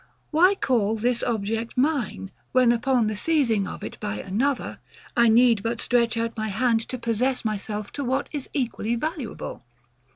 Why call this object MINE, when upon the seizing of it by another, I need but stretch out my hand to possess myself to what is equally valuable?